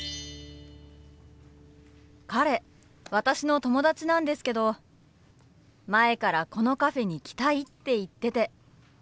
彼私の友達なんですけど前からこのカフェに来たいって言ってて。